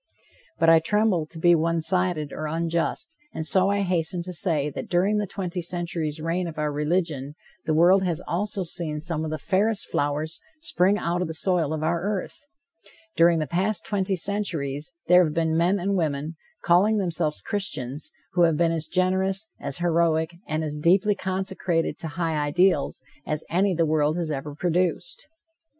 But I tremble to be one sided or unjust, and so I hasten to say that during the twenty centuries' reign of our religion, the world has also seen some of the fairest flowers spring out of the soil of our earth. During the past twenty centuries there have been men and women, calling themselves Christians, who have been as generous, as heroic and as deeply consecrated to high ideals as any the world has ever produced.